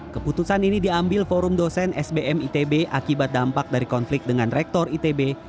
keputusan ini diambil forum dosen sbm itb akibat dampak dari konflik dengan rektor itb